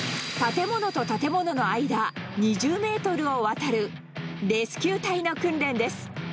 建物の建物の間、２０メートルを渡るレスキュー隊の訓練です。